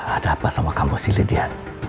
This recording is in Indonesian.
ada apa sama kamu sih lidya